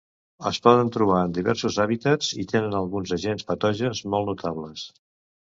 Es poden trobar en diversos hàbitats i tenen alguns agents patògens molt notables.